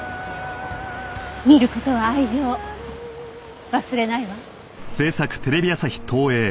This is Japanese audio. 見る事は愛情忘れないわ。